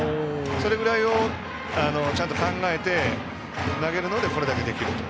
それぐらいちゃんと考えて投げるのでこれだけ、できると。